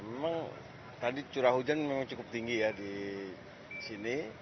memang tadi curah hujan memang cukup tinggi ya di sini